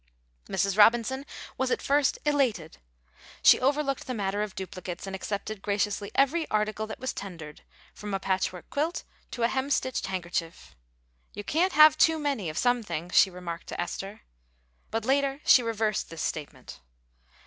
Mrs. Robinson was at first elated. She overlooked the matter of duplicates, and accepted graciously every article that was tendered from a patch work quilt to a hem stitched handkerchief. "You can't have too many of some things," she remarked to Esther. But later she reversed this statement.